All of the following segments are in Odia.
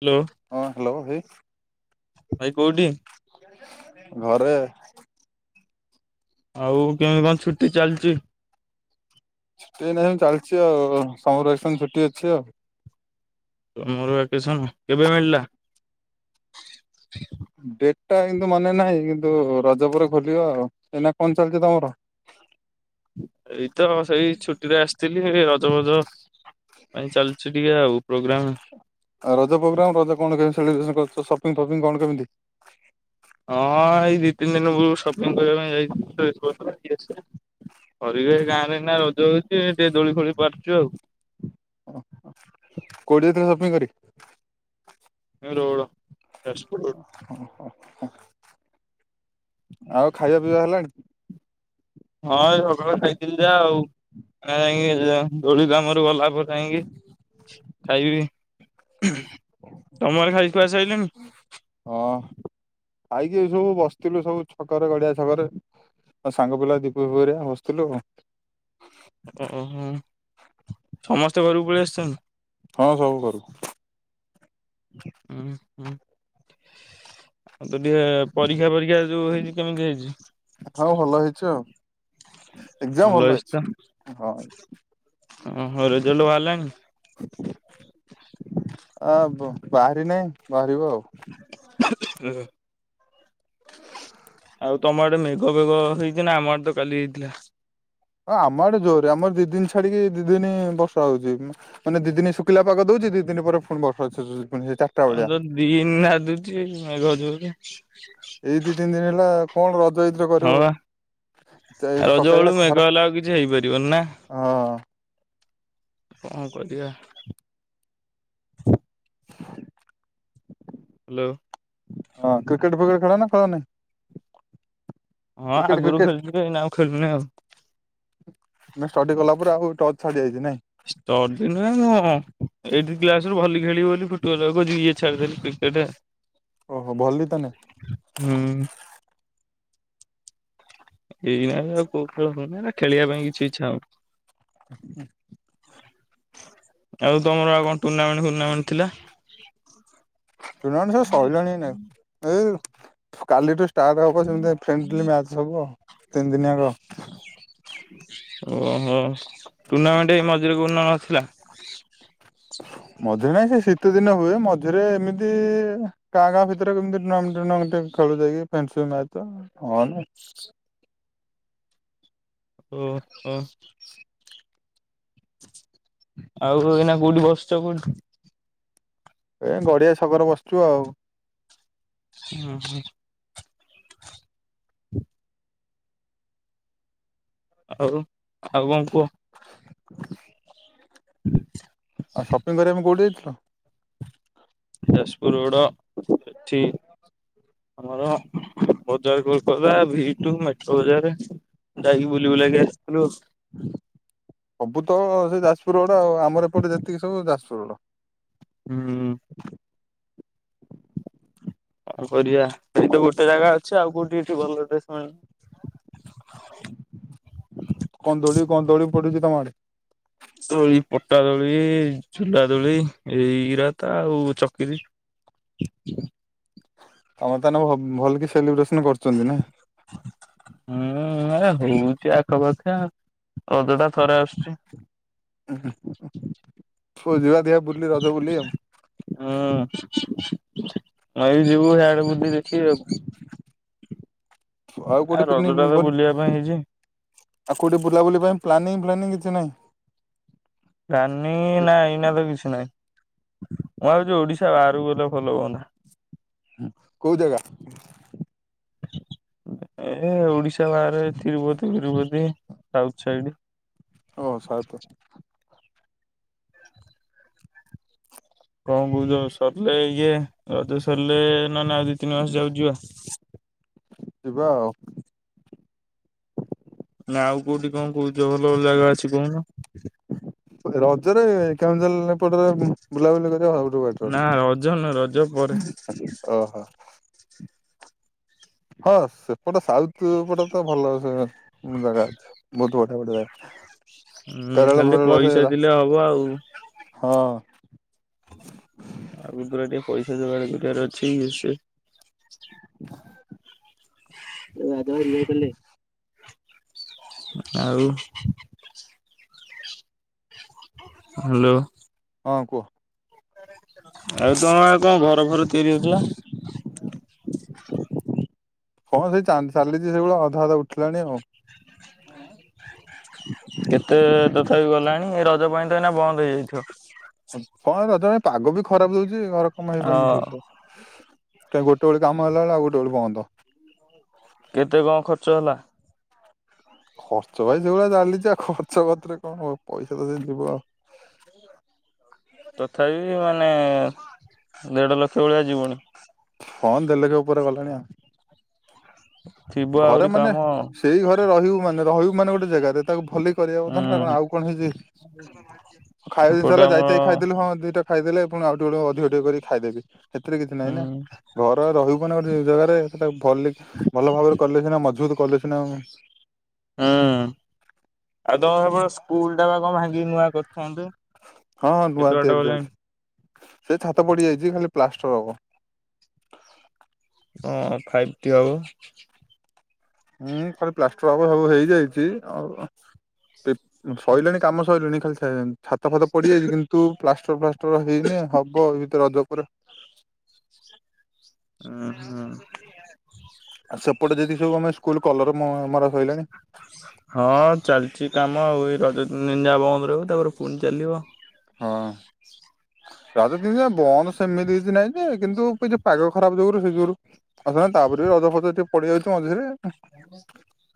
ହ୍ୟାଲୋ ହଁ ହ୍ୟାଲୋ ଭାଇ। ଭାଇ। କୋଉଠି ଘରେ ଆଉ କେମିତି କଣ ଛୁଟି ଚାଲିଛି? ଛୁଟି ନାହିଁ ଚାଲିଛି ଆଉ ସମର ଭାକେସନ୍ ଛୁଟି ଅଛି ଆଉ। ସମର ଭାକେସନ କେବେ ମିଳିଲା? ଡେଟ ଟା କିନ୍ତୁ ମାନେ ନାହିଁ କିନ୍ତୁ ରଜ ପରେ ଖୋଲିବ ଆଉ ଏଇନା କଣ ଚାଲିଛି ତମର? ଏଇ ତ ସେଇ ଛୁଟି ରେ ଆସିଥିଲି ର ଜ ଭଜ ପାଇଁ ଚାଲିଚି ଟିକେ ଆଉ ପ୍ରୋଗ୍ରାମ। ଆଉ ରଜ ପ୍ରୋଗ୍ରାମ ରଜ କଣ କେମିତି ସେଲିବ୍ରେସନ କରୁଛ ସପିଙ୍ଗ ଫପିଙ୍ଗ କଣ କେମିତି? ହଁ ଏଇ ଦି ତିନି ଦିନ ପୂର୍ବରୁ ସପିଙ୍ଗ କରିବା ପାଇଁ ଯାଇ ଥିଲି ଡ୍ରେସ୍ ପତ୍ର କିଣିଛି କରିବି ଆଉ ଗାଁ ରେ ନା ରଜ ହଉଛି। ଟିକେ ଦୋଳି ଫୋଳି ପାରୁଛୁ ଆଉ। ମୁ କରି ରୋଡ ଯାଜପୁର ଓ ରୋଡ। ହ ହୋ। ଆଉ ଖାଇବା ପିଇବା ହେଲାଣି? ହଁ ଏ ସକାଳୁ ଖାଇଥିଲି ଯା ଆଉ ଆ ଦୋଳି କାମରେ ଗଲା [unintelligible] ଆଣିକି ଖାଇବି। ତମର ଖାଇ କୁଆସାରିଲଣିି? ହଁ ଖାଇକି ସବୁ ବସିଥିଲୁ ସବୁ ଛକରେ ଗଡିଆ ଛକରେ ସାଙ୍ଗ ପିଲା ଦୀପୁ ଫିଫୁ ହେରିକା ବସିଥିଲୁ ଆଉ। ଉଁ ହୁଁ। ସମସ୍ତେ ଘରୁକୁ ପରି ଆସିଛନ୍ତି? ହଁ ସବୁ କରୁ ଉଁ। ହୁଁ। ତୁ ଟିହେ ପରୀକ୍ଷା ଫରୀକ୍ଷା ଯୋଉ ହେଇଚି କେମିତି ହେଇଚି? ହଁ ଭଲ ହେଇଛି ଆଉ ଏକ୍ଜାମ ଭଲ ହେଇଚି ହେଇଛି। ତ ହଁ ଅହଁ ରେଜଲ୍ଟ୍ ବାହାରିଲାଣି? ଆଁ ବ ବାହାରି ନେଇ ବାହାରିବ ଆଉ। ଆଉ ତମ ଆଦେ ମେଘ ଫେଗ ହେଇଚି ନା? ଆମ ଆଡେ ତ କାଲି ହେଇଥିଲା। ହଁ ଆମରେ ଜୋରରେ ଆମର ଦି ଦିନ୍ ଛାଡିକି ଦି ଦିନି ବର୍ଷା ହୋଉଚି ମାନେ ଦି ଦିନ ଶୁଖିଲା ପାଗ ଦୋଉଛି ଦି ଦିନି ପରେ ପୁଣି ବର୍ଷା ଛେଚୁଚି। ହଁ ଯୋଉ ଦିନ୍ ନାଦୁଚି ମେଘ ଜୋରେ। [inaudible] ଏଇ ଦିି ତିନ୍ ଦିନ୍ ହେଲା କଣ ର ହଁ ବା ରଜ ସକାଳିଆ ବେଳୁ ଖରା ମେଘ ହେଲେ ଆଉ କିଛି ହେଇପାରିବନି ନା। ହଁ। କଁ କରିବା? ହାଲୋ। ହଁ କ୍ରିକେଟ୍ ଫିକେଟ୍ ଖେଳ ନା ଖେଳନି? ହଁ ଆଗରୁ ଖେଳୁଥିଲି ଏଇନା ଆଉ ଖେଳୁନି ଆଉ। ନା ଷ୍ଟଡି କଲା ପରେ ଆଉ ଟଚ୍ ଛାଡି ଯାଇଚି ନାଇ? ସ୍ଟଡି ନୁହଁ ମୁ ଏଇଟ୍ କ୍ଲାସ୍ ରୁ ଭଲି ଖେଳିବି ବୋଲି ଫୁଟବଲ ଆଉ ଇଏ ଛାଡିଦେଲି କ୍ରିକେଟ ଓହୋ ଭଲି ତ ନାଇଁ ହୁଁ। ଏଇନାକେ ଆଉ କୋଉ ଖେଳ ମାନେ ଏଇନା ଖେଳିବା ପାଇଁ କିଛି ଇଚ୍ଛା ଆଉ ତମର ଆଉ କଣ ଟୁର୍ଣ୍ଣାମେଣ୍ଟ ଫୁର୍ଣ୍ଣମେଣ୍ଟ ଥିଲା? ଟୁର୍ଣ୍ଣାମେଣ୍ଟ ସବୁ ସରିଲାଣି ନାଇଁ ଏଇ କାଲିଠୁ ଷ୍ଟାଟ୍ ହବ ଜସମ୍ତି ଫ୍ରେଣ୍ଡ୍ ଲି ମ୍ୟାଚ୍ ହବ ତିନି ଦିନ୍ ଆକ। ଉଁ ଟୁର୍ଣ୍ଣାମେଣ୍ଟ୍ ଏଇ ମଝିରେ କୋଉଦିନ ଥିଲା। ମଝରେ ନାଇଁ ସେ ଶୀ ତେ ଦିନ ହୁଏ ମଝିରେ ଏମିତି ଗାଁ ଗାଁ ଭିତରେ କେମିତି ନମିନ୍ଟ୍ ନମିନ୍ଟ୍ ଖେଳୁ ଯାଇକି ଫ୍ରେଣ୍ଡସିପ୍ ମ୍ୟାଚ ହଁ ଓ ହୋ। ଆଉ ଏଇନା କୋଉଠି ବସିଛ କୋଉଠି? ଏ ଗଡିଆ ଛକରେ ବସିଚୁ ଆଉ। ହୁଁ ହୁଁ। ଆଉ ଆଉ କଣ କୁହ? ଆଉ ସପିଙ୍ଗ କରିବାପାଇଁ କୋଉଠି ଯାଇଥି ଯାଜପୁର ରୋଡ ଏଠି ଆମର ବଜାର କୋଲ ଭି ଟୁ ମେଟ୍ରୋ ବଜାର ଯାଇକି ବୁଲିବୁଲି ଆସିଥିଲୁ। ସବୁ ସେ ଯାଜପୁର ରୋଡ ତ ଆମର ଏପଟେ ଯେତିକ ସବୁ ଦାସ ଓଃ। ହୁଁ କଣ କରିବା ସେଇ ତ ଗୋଟିଏ ଜାଗା ଅଛି ଆଉ କୋଉଠି ଭଲ ଦେରେ କନ୍ଦଳିବୁ। କଣ ଦୋଳି ପଡିଛି ତମ ଆଡେ ଦୋଳି ପଟା ଦୋଳି ଝୁଲା ଦୋଳି ଏଇଗୁରକା ଆଉ ଚକ୍ରୀ ଅଳତା ନ ଭଲକି ସେଲିବ୍ରେଶନ କରୁଛନ୍ତି ନା। ହୁଁ ବୁଲୁଚି ଆଖପଖ ରଜ ଟା ଥରେ ଆସୁଛି। ଓ ହଁ। କୁଆ ଯିବା ବୁଲି ରଜ ବୋଲିୁଲି ଆ ରହିଯିବୁ ଇଆଡେ ବୋଧେ ି ଦେଖି ଦବୁ। ଆଉ ଆ କୋଉଠି ପିକନିକ ରଜ ଟା ତ କୋଉଠି ବୁଲିବା ପାଇଁ ହେଇଛି। ଆଉ କୋଉଠି ବୁଲାବୁଲି ପାଇଁ ପ୍ଲାନିଂ ଫ୍ଲାନିଂ କିଛି ନାହିଁ। ପ୍ଲାନିଙ୍ଗ ନାହିଁ ଏଇନା ତ କିଛି ନହିଁ। ମୁଁ ଭାବୁଛି ଓଡିଶା ବାହାରକୁ ଗଲେ ଭଲ ହଁତ କୋଉ ଜାଗା? ଏ ଓଡିଶା ବାହାରେ ତିରୁପତି ଫିରୁପତି ସାଉଥ ସାଇଡ। ଓ ସାଉଥ। କଣ କହୁଚ? ସରିଲେ ଇଏ। ରଜ ସରିଲେ ନହନେ ଆଉ ଦି ତିନି ମାସ ଯାଉକ ଯିବା। ଯିବା ଆଉ। ନା ଆଉ କୋଉଠି କଣ କହୁଛ ଭଲ ଭଲ ଜାଗା ଅଛି କହୁନ? ରଜରେ [unintelligible] ବୁଲାବୁଲି ନା କରିବା ରଜ ନୁହଁ ରଜ ସବୁଠୁଁ ପରେ ବେଟର। ଅହୋ। ହଁ, ସେପଟେ ସାଉଥ ପଟେ ତ ଭଲ ସେ ମୁଁ ଜାଗା ଅଛି। ବହୁତ ପଢ଼ା ପଢ଼ି ଦରକାର। ହୁଁ ଖାଲି ଟ ପଇସା ଦିଲେ ହବ ଆଉ। ହଁ [inaudible] ଆଗୁକୁ ପୁରା ଟିକେ ପଇସା ଯୋଗାଡ଼ କରିବାରାଅଛି ସେ। ଆପଣ ୟେ କଲେ? ଆଉ? ହାଲୋ। ହଁ କୁହ। ଆଉ? ତମର କଣ ଘର ଭର ତିଆରି ହଉଥିଲା? ହଁ ସେଇ ଚା ଚାଲିଛି ସେଇବଳିଆ ଅଧା ଅଧା ଉଠିଲାଣି ଆଉ। [inaudible] କେତେ ତଥାପି ଗଲାଣି ଏ ରଜ ପାଇଁ? [unintelligible] ବନ୍ଦ ହେଇଯାଇଥିବ। କଣ ତମେ ପାଗ ବି ଖରାପ ଦଉଚି। ଚି। ଘର କାମ ହାଇପରୁନି ହଁ ଠିକ୍ ସେ। କାଇଁ ଗୋଟେ ବେଳେ କାମ ହେଲା ବେଳେ ଆଉ ଗୋଟେ ବେଳେ ବନ୍ଦ। ଚଲା ଖର୍ଚ୍ଚ ଭାଇ ସେଭଳିଆ ଚାଲିଚି ଆଉ ଖର୍ଚ୍ଚ ପତରେ କଣ ହ ପଇସା ତ ସେ ଯିବ ଆଉ। ତଥାପି ମାନେ ଦେଢ ଲକ୍ଷ ଭଳିଆ ଯିବଣି। ହଁ ଦେଢ଼ଲକ୍ଷ ଉପରେ ଗଲାଣି ଆଉ। ଥିବ ଘରେ ଆହୁରି ମାନେ କାମ ସେଇ ଘରେ ରହିବୁ ମାନେ ରହିବୁ ମାନେ ଗୋଟେ ଜାଗାରେ ତାକୁ ଭଲକି କରିବା କଥା ନା ହୁଁ ଆଉ କଣ ହେଇଚି ଖାଇବା ଜିନଷ ଏପଟେ ହେଲା ଆମର ଯାଇତାଇ ଖାଇଦେଲୁ ହଁ ଦିଟା ଖାଇଦେଲେ। ଆଉ ଟିକେ ବେଳ ଅଧିକ ଟିକେ କରି ଖାଇଦେବି। ସେଥିରେ କିଛି ନହିଁ ହୁଁ ନା। ଘର ରହିବନା ଗୋଟେ ଜାଗାରେ ସେଟା ଭଲକି ଭଲ ଭାବରେ ମଜବୁତ କଲେଶିନା ହ ହୁଁ। ଆଉ ତମ ସେପ ସ୍କୁଲ ଟା ବା କଣ ଭାଙ୍ଗିକ ନୂଆ କରୁଚନ୍ତି। ହଁ ହଁ ନୁଆ ତିଆରି ଚାଲିଛି। ସେ ଛାତ ପଡିଯାଇଚି ଖାଲି ପ୍ଲାଷ୍ଟର ହବ। ହଁ ଫାଇଭ୍ଟି ଆଉ ହୁଁ ଖାଲି ପ୍ଲାଷ୍ଟର ହବ। ସବୁ ହେଇଯାଇଚି ଆଉ ଶରିଲାଣି କାମ ସରିଲାଣି ଖାଲି [inaudible] ଛାତ ଫାତ ପଡିଯାଇଚି କିନ୍ତୁ ପ୍ଲାଷ୍ଟ ଶୁଭ ତ ହେଇନି ହବ ଏ ଭିତରେ ରଜକୁ ପୁର ଉଁ ହୁଁ। ଆଉ ସେପଟେ ଯଦି ସବୁ ଆମେ ସ୍କୁଲ କଲର ମରା ସଇଲାଣି ହଁ ଚାଲିଛି। କାମ ଆଉ ଏଇ ରଜ ନିନ୍ ଜା ବନ୍ଦ ରହିବ ତାପରେ ପୁଣି ଚାଲିବ। ହଁ ରଜ ଦିନ ଜା ବନ୍ଦ ସେମିତି କିଛି ନାହିଁ ଯେ କିନ୍ତୁ ଏଇଯ ପାଗ ଖରାପ ଯୁଗୁରୁ ସେ ଯୁଗୁରୁ ଆସ ମାନେ ତାପରେ ବି ରଜ ଫଜ [unintelligible] ପଡିଯାଉଛି ମଝିରେ।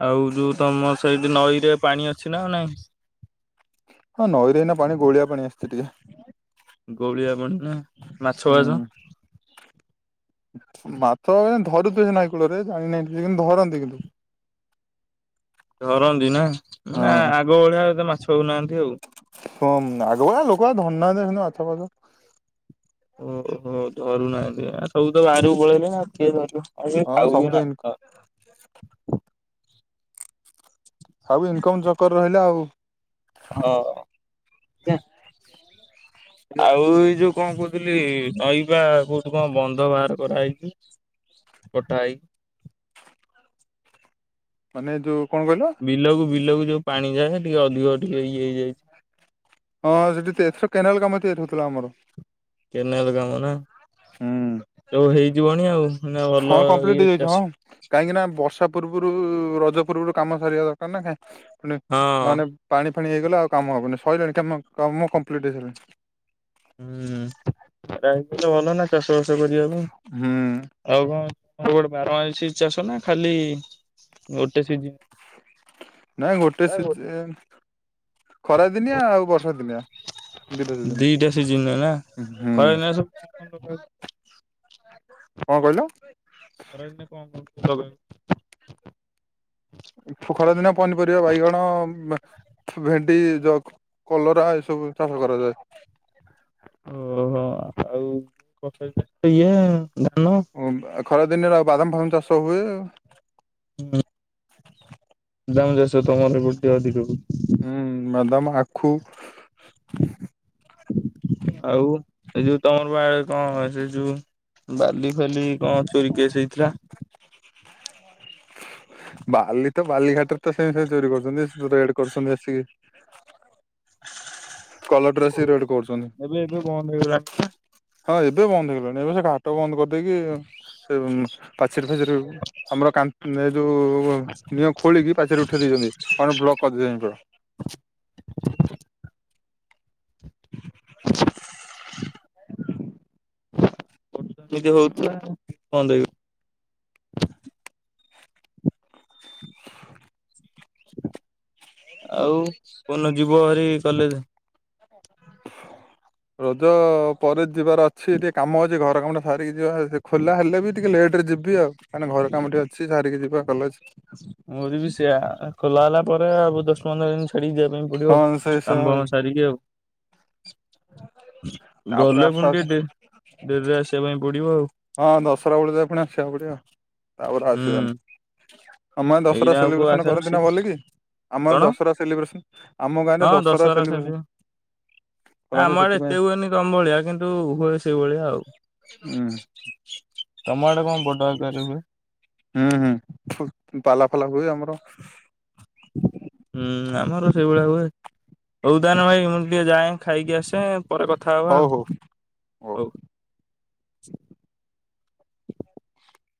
ଆଉ ଯୋଉ ତମର ସେଇଠି ନଈରେ ପାଣି ଅଛି ନା ଆଉ ନାହଁ? ହଁ ନଈରେ ଏଇନା ପାଣି ଗୋଳିଆ ପାଣି ଆସିଛି ଟିକେ। ଗୋଳିଆ ପାଣି ନା ମାଛ ଭାଜ ହୁଁ ମାଛ ଆଜ୍ଞା ଧରୁଥିବେ ସେ ନଈ କୂଳରେ ଜାଣିିନାହିଁ ଟିକେ କିନ୍ତୁ ଧରନ୍ତି କିନ୍ତୁ। ଧରନ୍ତି ନା। ମାନେ ହଁ ଆ--ଆଗ ଭଳିଆ ଏତେ ମାଛ। ହଉନାହାନ୍ତି ଆଉ। ହଁମ୍ ଆଗ ଭଳିଆ ଲୋକ ଆଉ ଧରୁ ନାହାଁନ୍ତି ସେମତି ମାଛଫାଛ। ଓହୋ ଧରୁନାହାଁନ୍ତି ଆ ସବୁ ତ ବାହାରକୁ ପଳେଇଲେଣି, ଆଉ କିଏ ଧରିବ? ଆଉ କିଏ ଖାଉ ହଁ ସବୁ ବି ତ ନାହିଁ ଇନ ତ? ଆଉ ଇନକମ୍ ଚକରେ ରହିଲେ ଆଉ। ହଁ ଜ୍ଞା। ଆଉ ଏଇ ଯୋଉ କଣ କହୁଥିଲି ନଈବା କୋଉଠୁ କଣ ବନ୍ଧ ବାହାର କରାହେଇଛି କଟା ହେଇକି? ମାନେ ଯୋଉ କଣ କହିଲ ବିଲକୁ ବିଲକୁ ଯୋଉ ପାଣି ଯାଏ ଟିକେ ଅଧିକ ଟିକେ ଇଏ ହେଇଯାଇଛି। ହଁ ସେଠି ତ ଏଥର କେନାଲ କାମ ତିଆରି ହଉଥିଲା ଆମର। କେନାଲ କାମ ନା। ହୁଁ ସବୁ ହେଇଯିବଣି ଆଉ ନା ଭଲ ହଁ କମ୍ପ୍ଲିଟ ଇଏ ହେଇଯାଇଛି। ଚାଷୀ ହଁ କାହିଁକି ନା ବର୍ଷା ପୂର୍ବରୁ ରଜ ପୂର୍ବରୁ କାମ ସରିଆ ଦରକାର ନା କାଇଁ ଣି ହଁ। ନହେଲେ ପାଣି ପୁଣି ହେଇଗଲେ ଆଉ କାମ ହବନି ସଇଲାଣି କାମ କାମ କମ୍ପ୍ଲିଟ୍ ହେଇଗଲାଣି। ହୁଁ ଖରା ହେଇଥିଲେ ଭଲ ନା। ଟେସ୍ ଚାଷ କରିବାପାଇଁ ହୁଁ ଆଉ କଣ ଆ ଗୋଟ ବାରମାସି ଚାଷ ନା ଖାଲି ଗୋଟ୍ ନାଇଁ ଗୋଟେ ସିଜିନ୍। ଖରା ଦିନିଆ ଆଉ ବର୍ଷା ଦିନିଆ ଦିଇଟା ଦିଟା ସିଜିନ୍ ନା ଦିଦିନ ହୁଁ। ଖରାଦିନ ସବୁ କଣ କଣ ଲଗାହଉଛି? କଣ କହିଲ? ଖରା ଦିନେ କଣ କଣ? କିଛି ଲଗା ଇନି। ଖରାଦିନ ପନିପରିବା ବାଇଗଣ ଭେଣ୍ଡି କଲରା ଏ ସବୁ ଚାଷ କରାଯାଏ। ଓହୋ ଆଉ [unintelligible] ଇଏ ଧାନ ଖରା ଦିନରେ ଆଉ ବାଦାମ ଫାଦାମ ଚାଷ ହୁଏ ଆଉ। ହୁଁ। [inaudible] [unintelligible] ତମର ବର୍ଟି ଅଧିକକୁ ଖୁ ଆଉ ଏଇ ଯୋଉ ତମର ବା କଣ ସେ ଯୋଉ ବାଲି ଫାଲି କଣ ଚୋରି କେସ୍ ହେଇଥିଲା? ବାଲି ତ ବାଲିଘାଟରେ ତ ସେମି ଚୋରି କରୁଛନ୍ତି ରେଡ କରୁଛନ୍ତି ଆସିକି କଲର ଡ୍ରେସ ରେଡ କରୁଛନ୍ତି। ଏବେ ଏବେ ବନ୍ଦ ହେଇଗଲାଣି ପା ହଁ ଏବେ ବନ୍ଦ ହେଇଗଲାଣି ଏବେ ସେ ଘାଟ ବନ୍ଦ କରିଦେଇକି ସେ ପାଚେରି ଫାଚେରୀ ଆମର କା ଯୋଉ ନିୟମ ଖୋଳିକି ପାଚେରି ଉଠେଇ ଦେଇଛନ୍ତି କଣ ବ୍ଲକ କରିଦେଇଛନ୍ତି ପୁରା। ହ ଯଦି ହୋଉଥିଲା? କଣ ଦେବି? ଆଉ କଦିନ ଯିବ ଭାରି କଲେଜେ? ରଜ ପରେ ଯିବାର ଅଛି ଟିକେ କାମ ଅଛି ଘର କାମ ଟା ସାରିକି ଯିବା ଖୋଲା ହେଲେ ବି ଟିକେ ଲେଟ ରେ ଯିବି ଆଉ କାହିଁକି ଘର କାମ ଟିକେ ଅଛି ସାରିକି ଯିବା କଲେଜ୍। ମୋର ବି ସେଇଆ ଖୋଲା ହେଲା ପରେ ଆଉ ଦଶ ପନ୍ଦର ଦିନ ଛାଡିକି ଯିବା ପାଇଁ ପଡିବ ହଁ ସେ ସେ କାମ୍ ଫାମ ସାରିକି ଆଉ। ତାପରେ ଗଲେ ଆସ ପୁଣି ଆସ ଟିକେ ଡେରିରେ ଆସିବା ପାଇଁ ପୁଡ଼ିବ ଆଉ ହଁ ଦଶରା ବେଳକୁ ଫୁଣି ଆସିବାକୁ ପଡିବ। ଆହୁର ହୁଁ ଆସିବନି ଆମ ଦଶହରା ଏଇନା ଆଉ କୋଉ ସେଲିବ୍ରେସନ ଆଶା କରନ୍ତି ଅଛି ନା ଗଲିକ ଆମ କଣ ଦଶହରା ସେଲିବ୍ରେସନ ଆମ ଗାଁରେ ହଁ ଦଶହରା ସେଲିବ୍ରେସନ ସରିବ। ନା ଆମ କରେ ଆଡେ ଏତେ ସେଥିପାଇଁ ହୁଏନି ତମ ଭଳିଆ କିନ୍ତୁ ହୁଏ ହୁଁ। ହୁଁ। ତମ ଆଡେ କଣ ବଡ଼ ଆକାର ରେ ହୁଏ? ହୁଁ ହୁଁ ପାଲା ଫାଲା ହୁଏ ଆମର ହୁଁ ଆମର ସେଇଭଳିଆ ହୁଏ। ହଉଦାନ ଭାଇ ମୁଁ ଟିକେ ଯାଏଁ ଖାଇକି ଆସେ ପରେ କଥା ହେବା ହଉ ଆଉ ହଉ ହଉ।